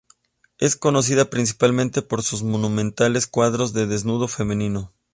Es conocida principalmente por sus monumentales cuadros de desnudo femenino.